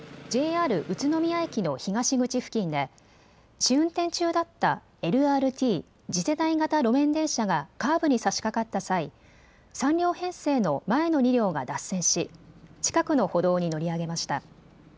ＪＲ宇都宮駅の東口付近で試運転中だったＬＲＴ・次世代型路面電車がカーブにさしかかった際、３両編成の前の２両が脱線し近くの歩道に乗り上げました。